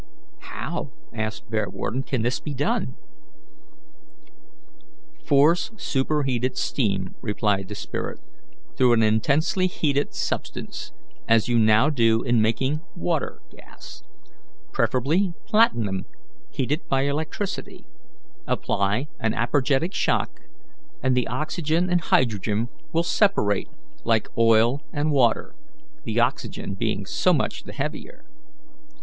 "How," asked Bearwarden, "can this be done?" "Force superheated steam," replied the spirit, "through an intensely heated substance, as you now do in making water gas preferably platinum heated by electricity apply an apergetic shock, and the oxygen and hydrogen will separate like oil and water, the oxygen being so much the heavier.